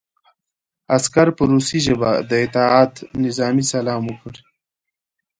عسکر په روسي ژبه د اطاعت نظامي سلام وکړ